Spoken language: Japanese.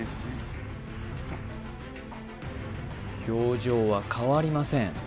表情は変わりません